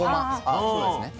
ああそうですね。